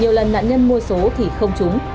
nhiều lần nạn nhân mua số thì không trúng